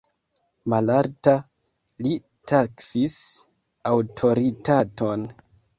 Malalta li taksis aŭtoritaton.